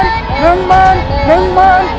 ตัวเลือกที่๔รสชนต้นไม้